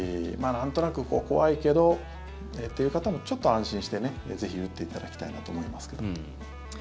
なんとなく怖いけどという方もちょっと安心してぜひ打っていただきたいなと思いますけど。